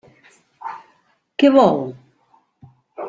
Què vol?